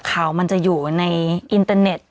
ข่าวมันจะอยู่ในอินเตอร์เน็ต